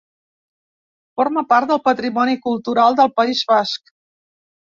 Forma part del patrimoni cultural del País Basc.